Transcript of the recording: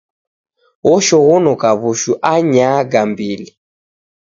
Oshoghonoka w'ushu anyaa gambili.